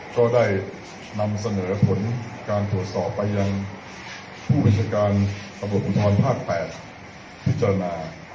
ก็ได้นำเสนอผลการปรวจสอบไปยังผู้บริษัทการระบบอุทธรรมภาค๘พิจารณา